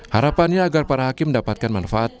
harapannya agar para hakim mendapatkan manfaat